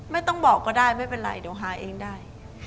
ไม่ต้องบอกก็ได้ไม่เป็นไรเดี๋ยวหาเองได้